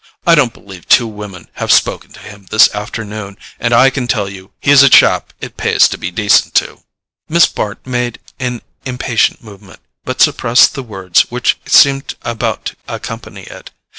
I don't believe two women have spoken to him this afternoon, and I can tell you he's a chap it pays to be decent to." Miss Bart made an impatient movement, but suppressed the words which seemed about to accompany it.